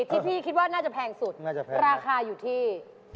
ที่พี่คิดว่าน่าจะแพงสุดราคาอยู่ที่